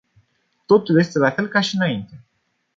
Totul este la fel ca și înainte.